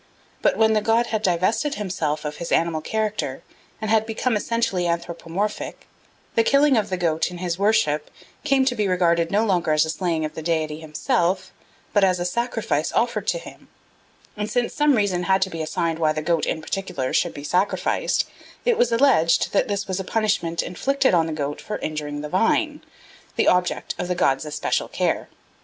But when the god had divested himself of his animal character and had become essentially anthropomorphic, the killing of the goat in his worship came to be regarded no longer as a slaying of the deity himself, but as a sacrifice offered to him; and since some reason had to be assigned why the goat in particular should be sacrificed, it was alleged that this was a punishment inflicted on the goat for injuring the vine, the object of the god's especial care.